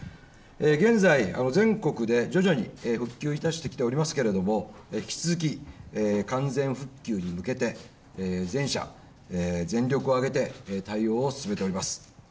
現在、全国で徐々に復旧してきておりますけれども引き続き、完全復旧に向けて全社、全力を挙げて対応を進めております。